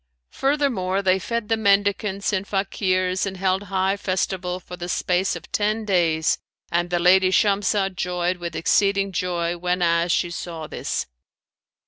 Furthermore, they fed the mendicants and Fakirs and held high festival for the space of ten days, and the lady Shamsah joyed with exceeding joy whenas she saw this.